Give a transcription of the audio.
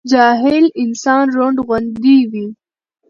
جاهل انسان رونډ غوندي وي